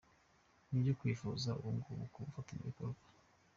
Ni byo twifuza ubungubu mu bafatanyabikorwa.”